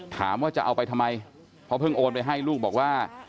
ถามว่าจะเอาไปทำไมเพราะเพิ่งโอนไปให้ลูกบอกว่า